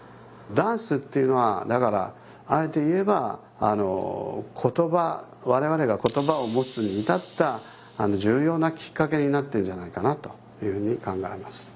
ダンスっていうのはだからあえて言えば我々が言葉を持つに至った重要なきっかけになってんじゃないかなというふうに考えます。